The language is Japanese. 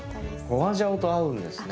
花椒と合うんですね！